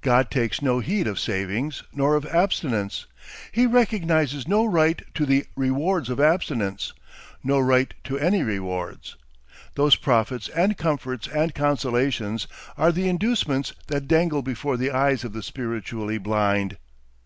God takes no heed of savings nor of abstinence. He recognises no right to the "rewards of abstinence," no right to any rewards. Those profits and comforts and consolations are the inducements that dangle before the eyes of the spiritually blind.